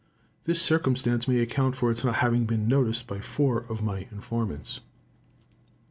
This circumstance may account for its not having been noticed by four of my informants.